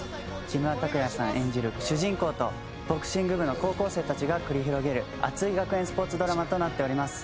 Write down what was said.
木村拓哉さん演じる主人公とボクシング部の高校生たちが繰り広げる熱い学園スポーツドラマとなっております。